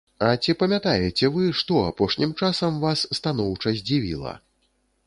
А ці памятаеце вы, што апошнім часам вас станоўча здзівіла?